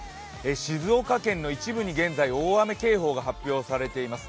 静岡県の一部に現在、大雨警報が発表されています。